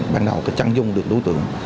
ban đầu trăn dung được đối tượng